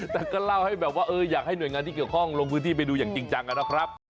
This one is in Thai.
แต่ก็เล่าให้แบบว่าอยากให้หน่วยงานที่เกี่ยวข้องลงพื้นที่ไปดูอย่างจริงจังนะครับ